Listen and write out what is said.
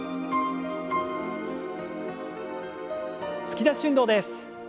突き出し運動です。